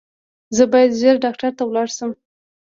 زه باید ژر ډاکټر ته ولاړ شم